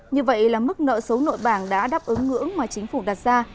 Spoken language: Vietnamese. như vậy là mức nợ xấu nội bảng đã đáp ứng ngưỡng mà chính phủ đặt ra